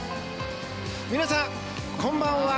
皆さん、こんばんは。